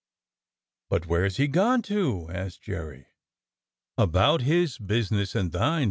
"But where's he gone to?" asked Jerry. "About his business and thine.